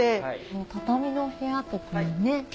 もう畳の部屋とかもね。